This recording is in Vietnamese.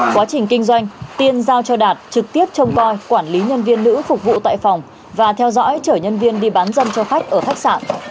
quá trình kinh doanh tiên giao cho đạt trực tiếp trông coi quản lý nhân viên nữ phục vụ tại phòng và theo dõi chở nhân viên đi bán dâm cho khách ở khách sạn